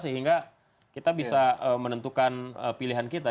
sehingga kita bisa menentukan pilihan kita